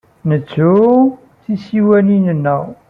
Nettu tisiwanin-nneɣ.